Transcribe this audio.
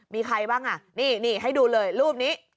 มีใครบ้างอ่ะนี่ให้ดูเลยรูปนี้